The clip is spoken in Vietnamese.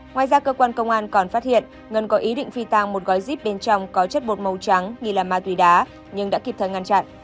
ngoài ra cơ quan công an còn phát hiện ngân có ý định phi tăng một gói íp bên trong có chất bột màu trắng nghi là ma túy đá nhưng đã kịp thời ngăn chặn